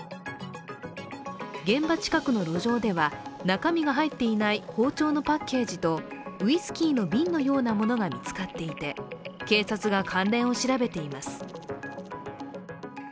現場近くの路上では中身が入っていない包丁のパッケージとウイスキーの瓶のようなものが見つかっていて郵便局で起きた強盗傷害事件。